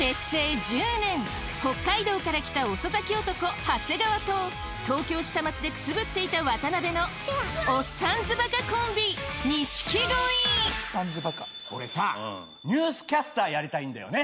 北海道から来た遅咲き男長谷川と東京下町でくすぶっていた渡辺の俺さニュースキャスターやりたいんだよね。